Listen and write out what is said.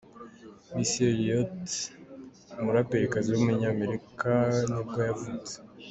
Missy Elliott, umuraperikazi w’umunyamerika nibwo yavutse.